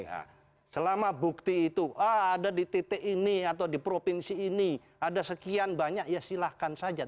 nah selama bukti itu ada di titik ini atau di provinsi ini ada sekian banyak ya silahkan saja